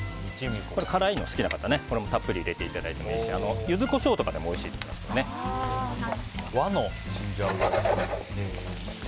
辛いの好きな方はこれもたっぷり入れていただいてもいいしユズコショウとかでも和のチンジャオロースー。